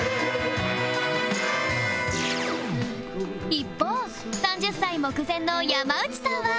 一方３０歳目前の山内さんは